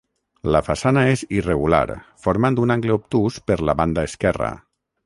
La façana és irregular, formant un angle obtús per la banda esquerra.